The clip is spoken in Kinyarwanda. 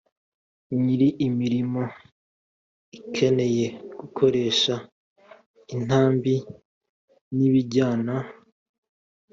nyir imirimo ikeneye gukoresha intambi n ibijyana